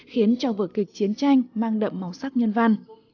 khiến cho vở kịch chiến tranh mang đậm màu sắc nhân văn